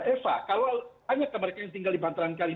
eva kalau mereka yang tinggal di bantaran sekali